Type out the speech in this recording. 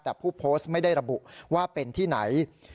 แต่ผู้โพสต์ไม่ได้ระบุว่าเป็นที่ไหน